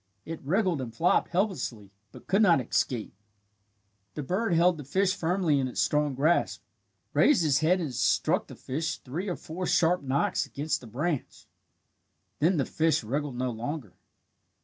It wriggled and flopped helplessly, but could not escape. The bird held the fish firmly in its strong grasp, raised his head and struck the fish three or four sharp knocks against the branch. Then the fish wriggled no longer.